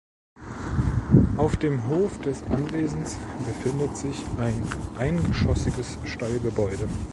Auf dem Hof des Anwesens befindet sich ein eingeschossiges Stallgebäude.